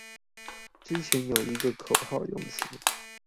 之前有一個口號用詞